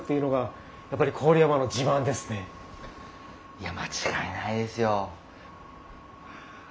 いや間違いないですよ。